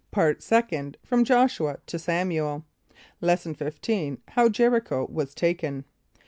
= PART SECOND. FROM JOSHUA TO SAMUEL. Lesson XV. How Jericho was Taken.